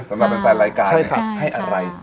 สำหรับแฟนรายการให้อะไร